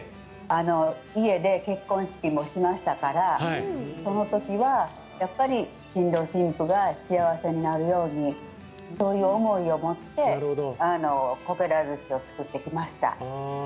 家で結婚式もしましたからそのときは、やっぱり新郎新婦が幸せになるようにという思いを持ってこけら寿司を作ってきました。